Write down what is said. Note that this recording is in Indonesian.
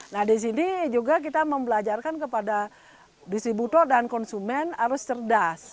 nah disini juga kita mempelajarkan kepada distributor dan konsumen harus cerdas